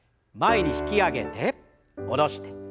前に引き上げて下ろして。